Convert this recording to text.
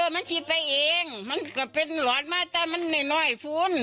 มันทีไปเอองมันก็เป็นหลอดมากต่อมันน้อยน้อยฟูน